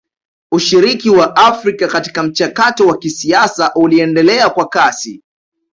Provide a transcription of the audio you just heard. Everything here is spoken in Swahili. Ushiriki wa Afrika katika mchakato wa kisiasa uliendelea kwa kasi